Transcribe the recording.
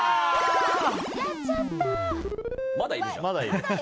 まだいるじゃん。